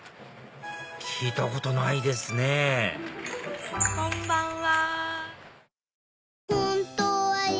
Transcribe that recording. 聞いたことないですねこんばんは。